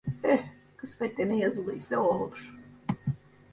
Eh, kısmette ne yazılı ise o olur!